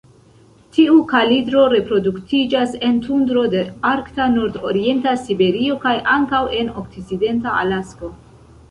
Tiu kalidro reproduktiĝas en tundro de arkta nordorienta Siberio kaj ankaŭ en okcidenta Alasko.